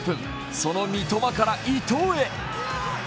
その三笘から、伊東へ。